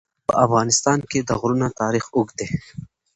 په افغانستان کې د غرونه تاریخ اوږد دی.